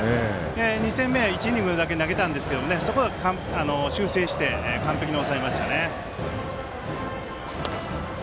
２戦目は１イニングだけ投げましたがそこは修正して完璧に抑えましたよね。